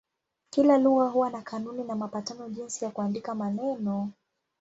Kila lugha huwa na kanuni na mapatano jinsi ya kuandika maneno.